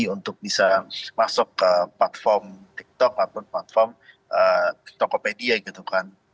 untuk bisa masuk ke platform tiktok ataupun platform tokopedia gitu kan